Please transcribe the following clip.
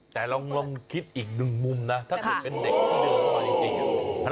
แต่ลองคิดอีกหนึ่งมุมนะถ้าเกิดเป็นเด็กที่เดินมาจริง